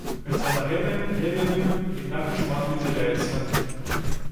Хаця на гэта, я ведаю, не так і шмат выдзяляецца.